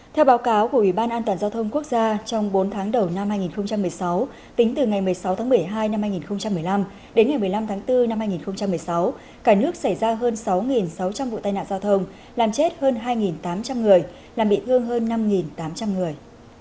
theo báo cáo của ủy ban an toàn giao thông quốc gia trong bốn tháng đầu năm hai nghìn một mươi sáu tính từ ngày một mươi sáu tháng một mươi hai năm hai nghìn một mươi năm đến ngày một mươi năm tháng bốn năm hai nghìn một mươi sáu cả nước xảy ra hơn sáu sáu trăm linh vụ tai nạn giao thông làm chết hơn hai tám trăm linh người làm bị thương hơn năm tám trăm linh người